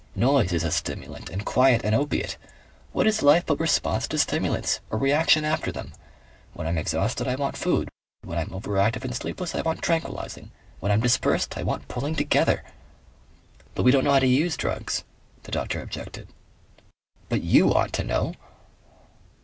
Noise is a stimulant and quiet an opiate. What is life but response to stimulants? Or reaction after them? When I'm exhausted I want food. When I'm overactive and sleepless I want tranquillizing. When I'm dispersed I want pulling together." "But we don't know how to use drugs," the doctor objected. "But you ought to know."